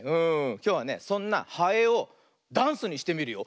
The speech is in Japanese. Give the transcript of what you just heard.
きょうはねそんなハエをダンスにしてみるよ。